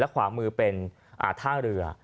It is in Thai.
ขวามือเป็นท่าเรือ